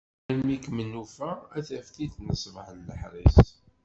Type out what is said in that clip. Almi i kem-nufa, a taftilt n ṣṣbeḥ n leḥris.